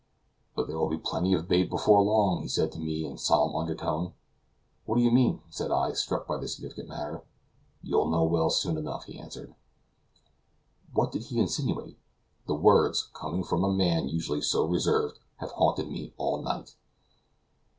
"But there will be plenty of bait before long," he said to me in a solemn undertone. "What do you mean?" said I, struck by his significant manner. "You'll know soon enough," he answered. What did he insinuate? The words, coming from a man usually so reserved, have haunted me all night.